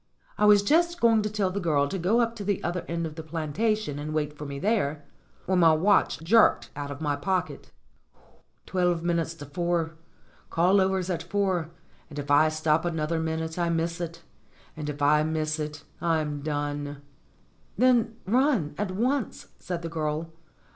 I was just going to tell the girl to go up to the other end of the plantation and wait for me there, when my watch jerked out of my pocket. "Twelve minutes to four. Call over's at four, and if I stop another minute I miss it. And if I miss it I'm done." "Then run, at once," said the girl.